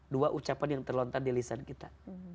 dua ucapan yang terlontar di lisan kita